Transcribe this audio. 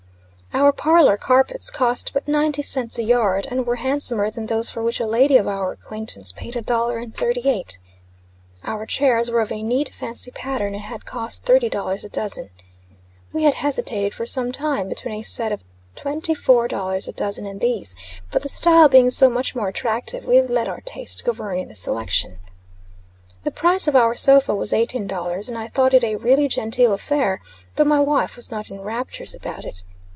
Our parlor carpets cost but ninety cents a yard, and were handsomer than those for which a lady of our acquaintance paid a dollar and thirty eight. Our chairs were of a neat, fancy pattern, and had cost thirty dollars a dozen. We had hesitated for some time between a set at twenty four dollars a dozen and these; but the style being so much more attractive, we let our taste govern in the selection. The price of our sofa was eighteen dollars, and I thought it a really genteel affair, though my wife was not in raptures about it.